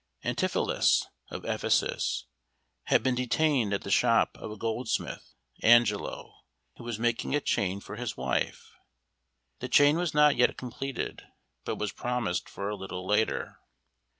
Antipholus of Ephesus had been detained at the shop of a goldsmith, Angelo, who was making a chain for his wife. The chain was not yet completed, but was promised for a little later.